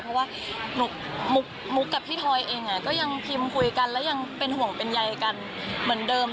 เพราะว่ามุกกับพี่ทอยเองก็ยังพิมพ์คุยกันและยังเป็นห่วงเป็นใยกันเหมือนเดิม